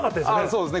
そうですね。